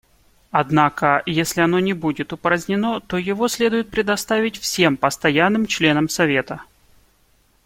Однако, если оно не будет упразднено, то его следует предоставить всем постоянным членам Совета.